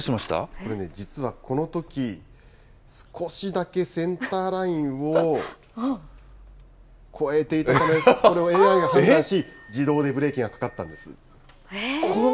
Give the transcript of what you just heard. これね、実はこのとき、少しだけセンターラインを越えていたため、これをＡＩが判断し、自動でブレーキがかかったんです。